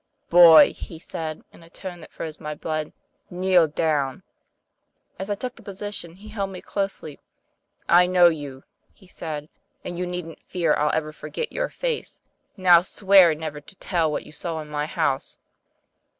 'Boy,' he said, in a tone that froze my blood, 'kneel down.' As I took the position, 1 ^eld me closely. 'I know you,' he said, 'and you needn't fear I'll ever forget your face ; now swear never to tell what you saw in my house.